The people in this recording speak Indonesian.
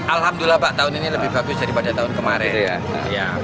alhamdulillah pak tahun ini lebih bagus daripada tahun kemarin ya